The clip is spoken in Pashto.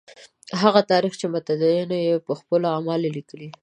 هغه تاریخ چې متدینو یې په خپلو اعمالو لیکلی.